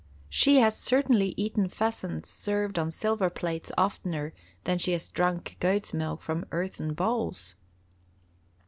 She has certainly eaten pheasants served on silver plates oftener than she has drunk goats' milk from earthen bowls."